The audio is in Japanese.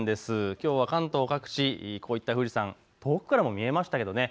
きょうは関東各地、こういった富士山、遠くからも見えましたけどね。